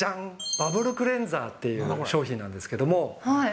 バブルクレンザーっていう商品なんですけども。